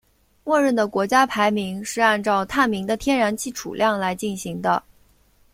默认的国家排名是按照探明的天然气储量来进行的。